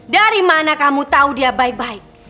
dari mana kamu tahu dia baik baik